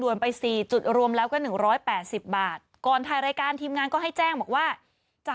ไป๔จุดรวมแล้วก็๑๘๐บาทก่อนถ่ายรายการทีมงานก็ให้แจ้งบอกว่าจะ